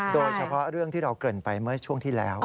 โดยเฉพาะเรื่องที่เราเกิดไปเมื่อช่วงที่แล้ว